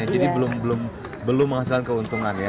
jadi belum menghasilkan keuntungan ya